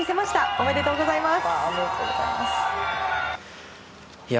おめでとうございます。